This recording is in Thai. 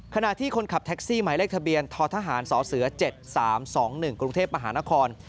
ขณะที่คนขับแท็กซี่หมายเลขทะเบียนททหารสเส๗๓๒๑กรุงเทพมหานคร